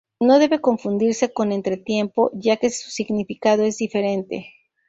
No debe confundirse con entretiempo, ya que su significado es diferente.